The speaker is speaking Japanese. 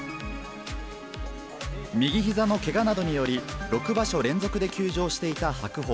右ひざのけがなどにより、６場所連続で休場していた白鵬。